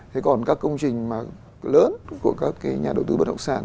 thế còn các công trình mà lớn của các cái nhà đầu tư bất động sản